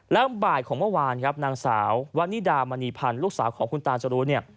แล้วบ่ายของเมื่อวานครับนางสาววันนิดามณีพันธ์ลูกสาวของคุณตาจรูนเนี่ย